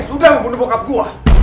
sudah membunuh bokap gue